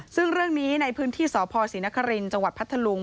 ซึ่งเรื่องนี้ในพื้นที่สพศรีนครินทร์จังหวัดพัทธลุง